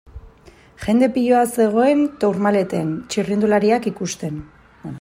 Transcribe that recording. Jende piloa zegoen Tourmaleten txirrindulariak ikusten.